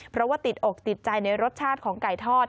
เพราะว่าติดอกติดใจในรสชาติของไก่ทอด